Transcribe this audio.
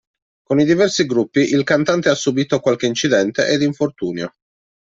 Con i diversi gruppi, il cantante ha subito qualche incidente ed infortunio.